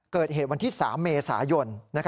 เกิดเหตุวันที่๓เมษายน